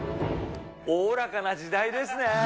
おおらかな時代ですね。